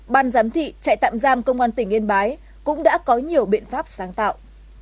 ban giám thị trại tạm giam công an tỉnh yên bái cũng đã có nhiều biện pháp sáng tạo